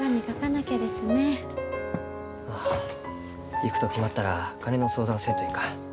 行くと決まったら金の相談せんといかん。